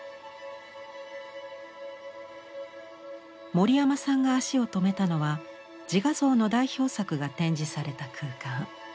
森山さんが足を止めたのは自画像の代表作が展示された空間。